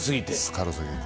軽過ぎて。